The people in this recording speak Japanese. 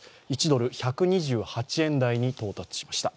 １ドル＝１２８円台に到達しました。